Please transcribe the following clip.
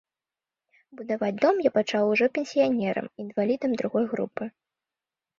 Будаваць дом я пачаў ужо пенсіянерам, інвалідам другой групы.